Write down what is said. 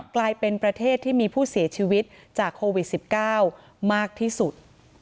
กลายเป็นประเทศที่มีผู้เสียชีวิตจากโควิด๑๙มากที่สุด